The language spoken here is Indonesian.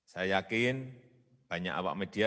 saya yakin banyak awak media